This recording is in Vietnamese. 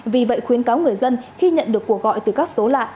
vì vậy khuyến cáo người dân khi nhận được cuộc gọi từ các số lạ